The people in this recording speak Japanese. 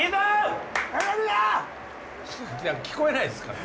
聞こえないですから。